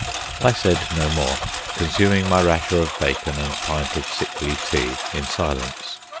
I said no more, consuming my rasher of bacon and pint of sickly tea in silence.